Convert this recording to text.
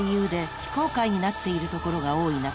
非公開になっているところが多い中